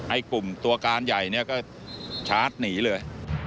ไอ้กลุ่มตัวการใหญ่เนี่ยก็ชาร์จหนีเลย